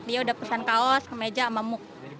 dia udah pesan kaos kemeja sama mu